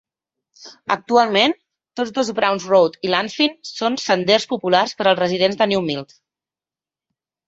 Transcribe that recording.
Actualment, tots dos Browns Road i Lanfine són senders populars per als residents de Newmilns.